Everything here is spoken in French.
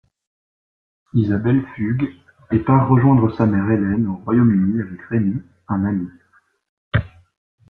Isabelle fugue et part rejoindre sa mère Hélène au Royaume-Uni avec Rémy, un ami.